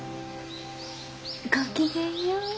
ごきげんよう。